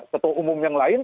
ketua umum yang lain